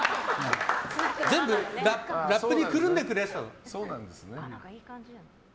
全部ラップにくるんでくれてたの。